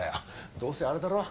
どうせあれだろ？